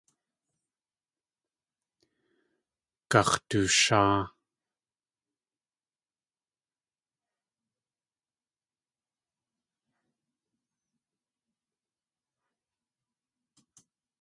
Gax̲dusháa.